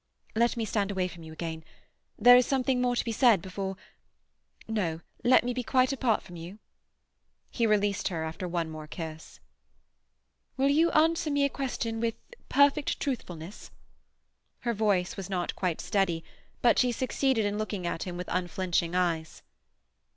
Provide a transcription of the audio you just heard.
"Let me stand away from you again. There is something more to be said before—No, let me be quite apart from you." He released her after one more kiss. "Will you answer me a question with perfect truthfulness?" Her voice was not quite steady, but she succeeded in looking at him with unflinching eyes.